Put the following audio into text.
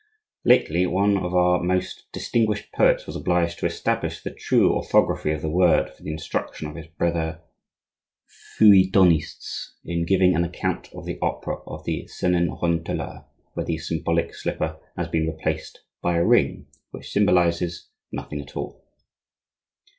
Lately one of our most distinguished poets was obliged to establish the true orthography of the word for the instruction of his brother feuilletonists in giving an account of the opera of the "Cenerentola," where the symbolic slipper has been replaced by a ring, which symbolizes nothing at all.